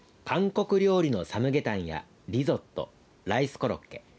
韓国料理のサムゲタンやリゾットライスコロッケ